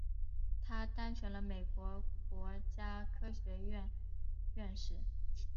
他当选了美国国家科学院院士。